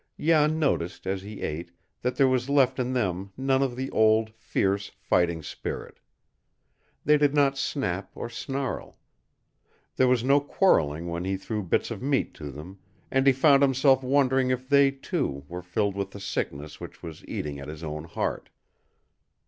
Jan noticed, as he ate, that there was left in them none of the old, fierce, fighting spirit. They did not snap or snarl. There was no quarreling when he threw bits of meat to them, and he found himself wondering if they, too, were filled with the sickness which was eating at his own heart.